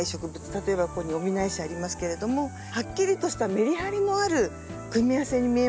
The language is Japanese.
例えばここにオミナエシありますけれどもはっきりとしたメリハリのある組み合わせに見えますよね。